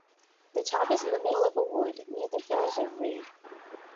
The top is in the middle of a wood, near the village of Rede.